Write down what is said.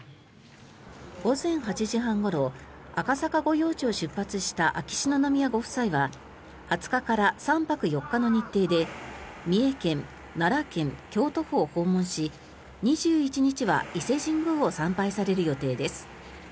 午前８時半ごろ赤坂御用地を出発した秋篠宮ご夫妻は２０日から３泊４日の日程で三重県、奈良県、京都府を訪問し２１日は伊勢神宮を参拝される予定です。